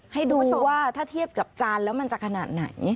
ให้ดูสิว่าถ้าเทียบกับจานแล้วมันจะขนาดไหน